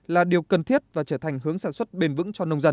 là điều cần thiết và trở thành hướng sản xuất bền vững cho nông dân